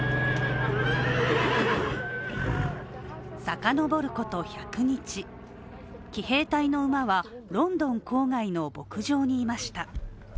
さかのぼること１００日、騎兵隊の馬はロンドン郊外の牧場にいました。